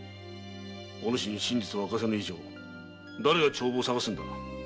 お主に真実を明かせぬ以上誰が帳簿を探すんだ？